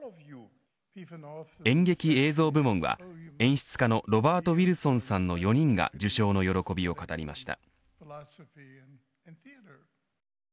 演劇・映像部門は演出家のロバート・ウィルソンさんの４人が受賞の喜びを語りました。